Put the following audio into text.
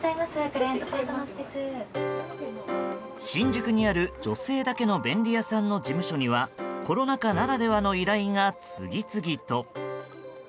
新宿にある女性だけの便利屋さんの事務所にはコロナ禍ならではの依頼が次々と。